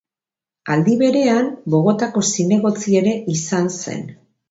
Aldi berean, Bogotako zinegotzi ere izan zen.